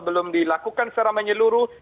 belum dilakukan secara menyeluruh